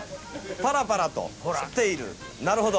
ぱらぱらと降っている、なるほど。